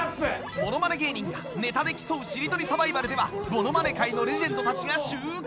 ものまね芸人がネタで競うしりとりサバイバルではものまね界のレジェンドたちが集結！